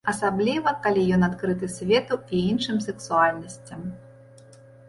Асабліва, калі ён адкрыты свету і іншым сексуальнасцям.